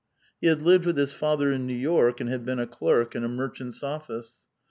He had lived with his father in New York and liad been a clerk in a merchant's office.